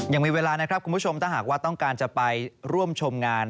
ยังมีเวลานะครับคุณผู้ชมถ้าหากว่าต้องการจะไปร่วมชมงาน